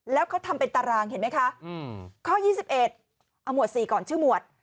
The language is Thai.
แล้วเขาทำเป็นตารางเห็นไหมคะข้อ๒๑เอาหมวด๔ก่อนชื่อหมวด